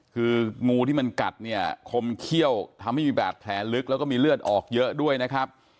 คืองูที่มันกัดเนี่ยคมเขี้ยวทำให้มีบาดแผลลึกแล้วก็มีเลือดออกเยอะด้วยนะครับ